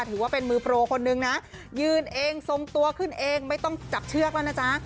ถือว่าเป็นมือโปรคนนึงนะยืนเองทรงตัวขึ้นเองไม่ต้องจับเชือกแล้วนะจ๊ะ